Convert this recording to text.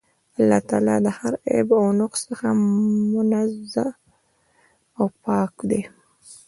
الله تعالی له هر عيب او نُقص څخه منزَّه او پاك دی